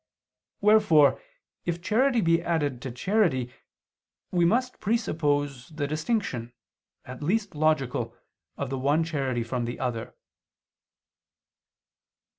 Wherefore if charity be added to charity we must presuppose the distinction, at least logical, of the one charity from the other.